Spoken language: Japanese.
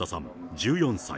１４歳。